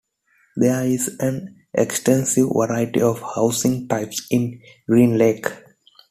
There is an extensive variety of housing types in Green Lake.